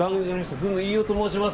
ずんの飯尾と申します。